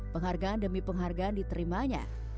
penghargaan demi penghargaan diterimanya